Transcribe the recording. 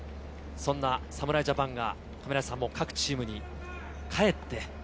そんな侍ジャパンが各チームに帰って。